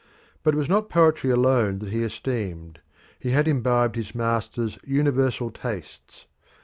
But it was not poetry alone that he esteemed; he had imbibed his master's universal tastes.